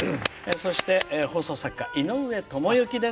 そして、放送作家、井上知幸です。